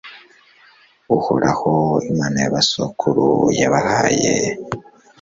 uhoraho, imana ya basokuru, yabahaye